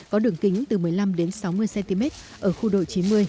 có đường kính từ một mươi năm đến sáu mươi cm ở khu đội chín mươi